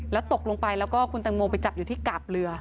แล้วตกลงไปแล้วก็คุณตังโมไปจับอยู่ที่กาบเรือ